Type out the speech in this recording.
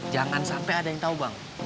jangan sampai ada yang tahu bang